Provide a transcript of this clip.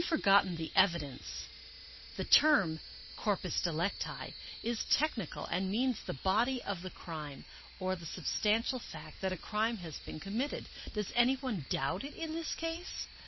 Does he jest, or has he forgotten the evidence? The term 'corpus delicti^ is technical, and means the body of the crime, or the substan tial fact that a crime has been committed. Does anyone doubt it in this case?